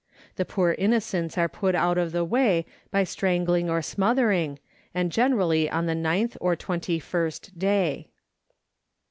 The poor innocents are put out of the way by strangling or smothering, and generally on the ninth or twenty first day.